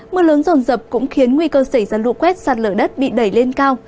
mưa lớn rồn rập cũng khiến nguy cơ xảy ra lụ quét sạt lở đất bị đẩy lên cao